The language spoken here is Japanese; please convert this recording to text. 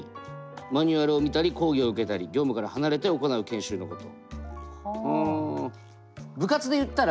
マニュアルを見たり講義を受けたり業務から離れて行う研修のこと。